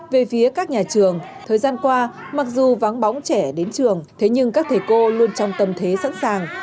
về phía các nhà trường thời gian qua mặc dù vắng bóng trẻ đến trường thế nhưng các thầy cô luôn trong tâm thế sẵn sàng